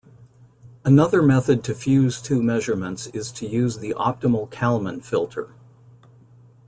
Another method to fuse two measurements is to use the optimal Kalman filter.